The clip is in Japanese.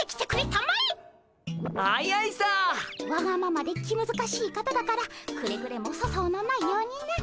わがままで気むずかしい方だからくれぐれも粗相のないようにな。